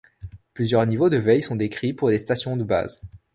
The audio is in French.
Plusieurs niveaux de veille sont décrits pour les stations de base.